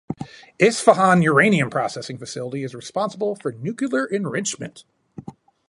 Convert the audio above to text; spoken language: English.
Isfahan uranium processing facility is responsible for nuclear enrichment.